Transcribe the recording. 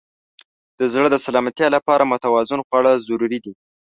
د زړه د سلامتیا لپاره متوازن خواړه ضروري دي.